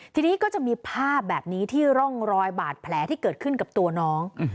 ทีนี้ก็จะมีภาพแบบนี้ที่ร่องรอยบาดแผลที่เกิดขึ้นกับตัวน้อง